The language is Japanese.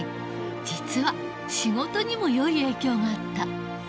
実は仕事にも良い影響があった。